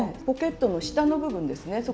ポケットの下の部分ですね。